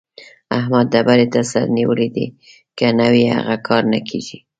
احمد ډبرې ته سر نيولی دی؛ که نه وي هغه کار نه کېږي.